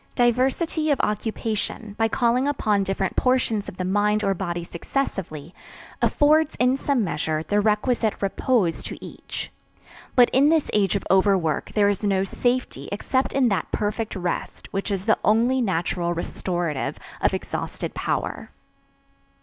Diversity of occupation, by calling upon different portions of the mind or body successively, affords, in some measure, the requisite repose to each. But in this age of overwork there is no safety except in that perfect rest which is the only natural restorative of exhausted power.